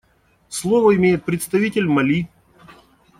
Слово имеет представитель Мали.